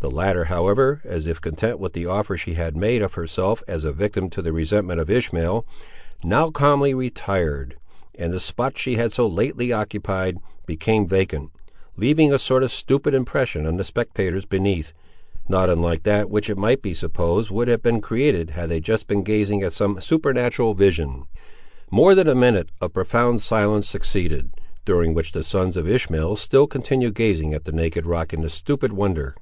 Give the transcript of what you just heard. The latter, however, as if content with the offer she had made of herself as a victim to the resentment of Ishmael, now calmly retired, and the spot she had so lately occupied became vacant, leaving a sort of stupid impression on the spectators beneath, not unlike that which it might be supposed would have been created had they just been gazing at some supernatural vision. More than a minute of profound silence succeeded, during which the sons of Ishmael still continued gazing at the naked rock in stupid wonder.